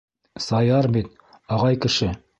Саяр бит... ағай кеше!